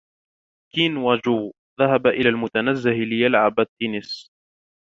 كين و جو ذهبا إلى المنتزه ليلعبا التنس.